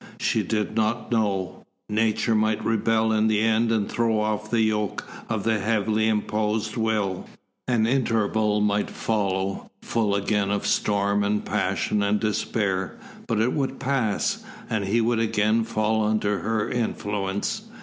She did not know. Nature might rebel in the end and throw off the yoke of the heavily imposed will. An interval might follow, full again of storm and passion and despair; but it would pass, and he would again fall under her influence.